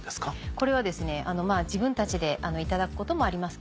これは自分たちでいただくこともありますけど。